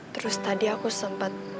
terus tadi aku sempat